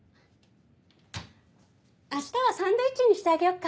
明日はサンドイッチにしてあげよっか。